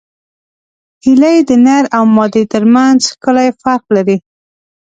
هیلۍ د نر او مادې ترمنځ ښکلی فرق لري